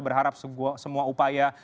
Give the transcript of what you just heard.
berharap semua upaya